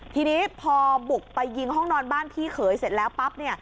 ทีนี้พอบุกไปยิงห้องนอนบ้านพี่เขยเสร็จแล้วปั๊บ